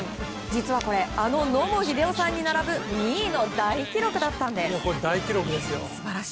実はこれあの野茂英雄さんに並ぶ２位の大記録だったんです。